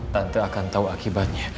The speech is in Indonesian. tante akan tahu akibatnya